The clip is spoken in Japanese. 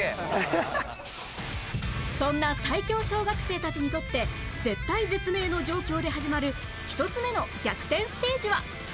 そんな最強小学生たちにとって絶体絶命の状況で始まる１つ目の逆転ステージは？